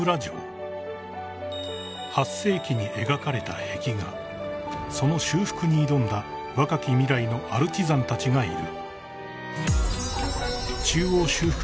［８世紀に描かれた壁画その修復に挑んだ若き未来のアルチザンたちがいる］